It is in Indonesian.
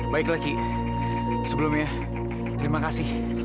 baiklah ki sebelumnya terima kasih